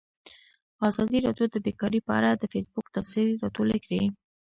ازادي راډیو د بیکاري په اړه د فیسبوک تبصرې راټولې کړي.